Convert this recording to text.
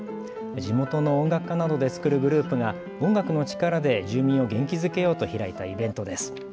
地元の音楽家などで作るグループが音楽の力で住民を元気づけようと開いたイベントです。